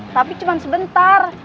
tapi cuma sebentar